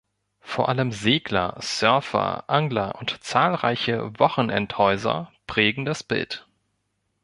Vor allem Segler, Surfer, Angler und zahlreiche Wochenendhäuser prägen das Bild.